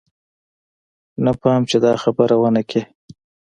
نه پام چې دا خبره ونه کې.